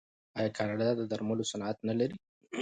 آیا کاناډا د درملو صنعت نلري؟